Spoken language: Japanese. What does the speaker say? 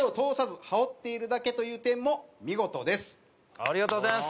ありがとうございます。